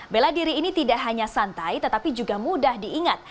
bela diri ini tidak hanya santai tetapi juga mudah diingat